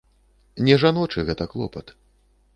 Не жаночы гэта клопат.